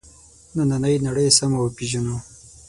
نننۍ نړۍ سمه وپېژنو.